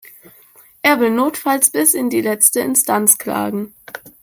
Er will notfalls bis in die letzte Instanz klagen.